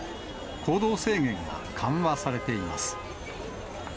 行動制限が緩和されています。